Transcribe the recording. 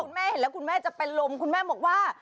แม่เห็นแล้วคุณแม่จะเป็นลมคุณแม่บอกว่า